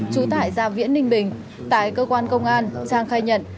chú tải gia viễn ninh bình tải cơ quan công an trang khai nhận